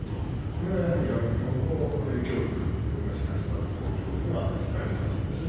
これが、やはり日本の影響力ないし、立場の向上には大事だと思うんです。